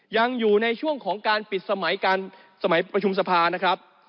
ยังอยู่ในช่วงของการปิดสมัยการสมัยประชุมสภานะครับ